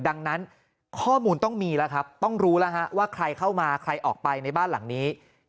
ดังนั้นข้อมูลต้องมีแล้วครับต้องรู้แล้วฮะว่าใครเข้ามาใครออกไปในบ้านหลังนี้